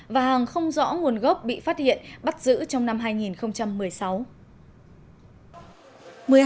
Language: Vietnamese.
và hàng không rõ nguồn gốc bị phát hiện bắt giữ trong năm hai nghìn một mươi sáu